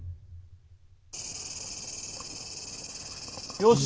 よし。